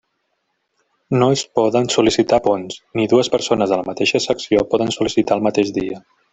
No es poden sol·licitar ponts, ni dues persones de la mateixa secció poden sol·licitar el mateix dia.